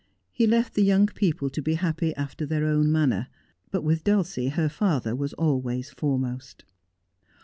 He left the young people to be happy after their own manner. But with Dulcie her father was always foremost.